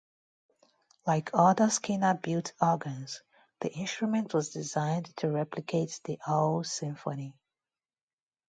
Like other Skinner-built organs, the instrument was designed to replicate the whole symphony.